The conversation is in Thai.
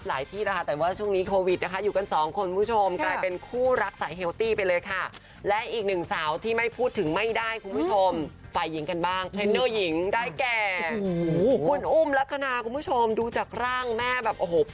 ขอให้ทุกคนมีสุขภาพร่างกายที่แข็งแรงนะครับสู้ครับ